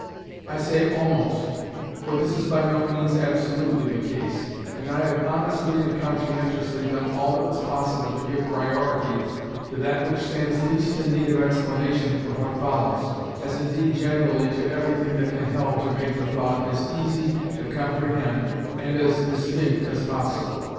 I say "almost;" for this is by no means absolutely the case, and I have honestly and conscientiously done all that was possible to give priority to that which stands least in need of explanation from what follows, as indeed generally to everything that can help to make the thought as easy to comprehend and as distinct as possible.